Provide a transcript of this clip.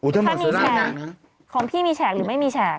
ถ้ามีแฉกของพี่มีแฉกหรือไม่มีแฉก